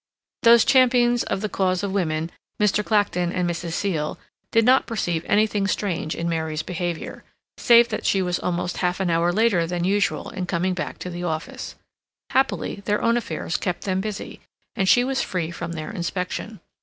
Those champions of the cause of women, Mr. Clacton and Mrs. Seal, did not perceive anything strange in Mary's behavior, save that she was almost half an hour later than usual in coming back to the office. Happily, their own affairs kept them busy, and she was free from their inspection.